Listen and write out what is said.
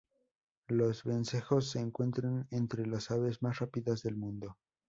Los vencejos se encuentran entre las aves más rápidas del mundo.